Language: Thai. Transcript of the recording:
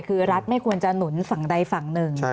คือรัฐไม่ควรจะหนุนฝั่งใดฝั่งหนึ่ง